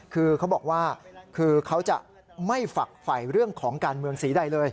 คือเขาบอกว่าคือเขาจะไม่ฝักไฟเรื่องของการเมืองสีใดเลย